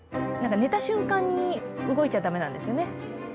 なんか寝た瞬間に動いちゃだめなんですよね。